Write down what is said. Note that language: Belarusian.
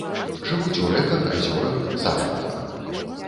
Жывуць у рэках, азёрах, сажалках.